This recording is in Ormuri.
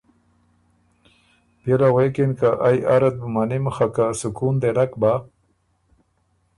بيې له غوېکِن که ائ اره ت بُو منِم خه که سکون دې نک بۀ